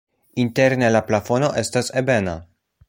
Interne la plafono estas ebena.